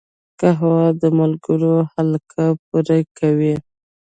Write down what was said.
قهوه د ملګرو حلقه پوره کوي